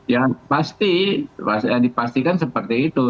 ya pasti dipastikan seperti itu